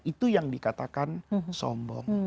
itu yang dikatakan sombong